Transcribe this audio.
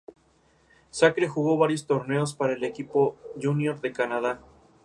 Sacre jugó varios torneos para el equipo junior de Canadá.